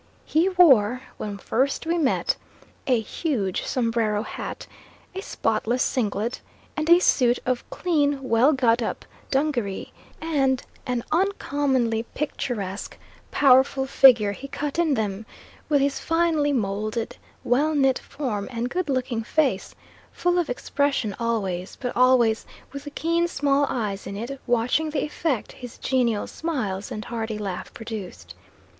He wore, when first we met, a huge sombrero hat, a spotless singlet, and a suit of clean, well got up dungaree, and an uncommonly picturesque, powerful figure he cut in them, with his finely moulded, well knit form and good looking face, full of expression always, but always with the keen small eyes in it watching the effect his genial smiles and hearty laugh produced.